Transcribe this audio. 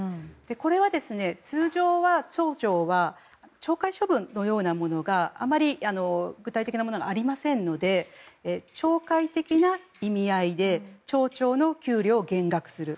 これは通常は町長は懲戒処分のようなものがあまり具体的なものがありませんので懲戒的な意味合いで町長の給料を減額する。